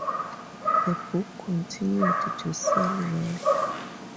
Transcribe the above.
The book continued to sell well.